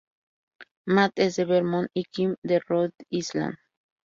Matt es de Vermont y Kim de Rhode Island.